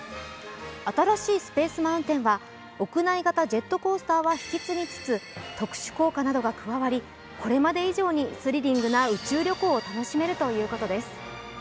新しいスペース・マウンテンは屋内型ジェットコースターは引き継ぎつつ特殊効果などが加わりこれまで以上にスリリングな宇宙旅行を楽しめるということです。